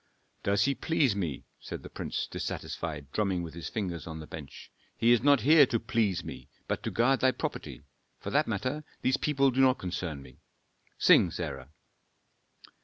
"Does he please me," said the prince, dissatisfied, drumming with his fingers on the bench. "He is not here to please me, but to guard thy property. For that matter, these people do not concern me. Sing, Sarah."